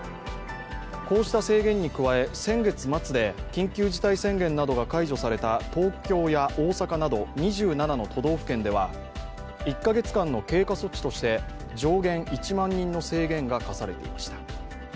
こうした制限に加え、先月末で緊急事態宣言などが解除された東京や大阪など、２７の都道府県では１カ月間の経過措置として、上限１万人の制限が課されていました。